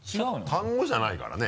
単語じゃないからね。